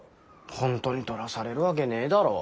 ほんとに取らされるわけねえだろ。